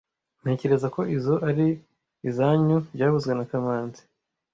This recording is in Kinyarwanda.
Ntekereza ko izoi ari izoanyu byavuzwe na kamanzi